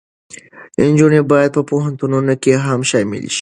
نجونې باید په پوهنتونونو کې هم شاملې شي.